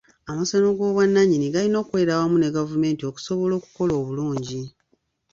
Amasomero g'obwannannyini galina okukolera awamu ne gavumenti okusobola okukola obulungi